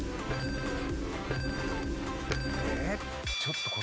えっ？